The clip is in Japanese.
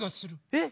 えっ